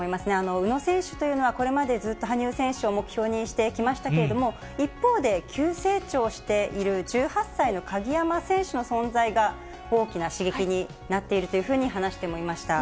宇野選手というのは、これまでずっと羽生選手を目標にしてきましたけれども、一方で、急成長している１８歳の鍵山選手の存在が大きな刺激になっているというふうに話してもいました。